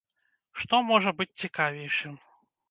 Што можа быць цікавейшым?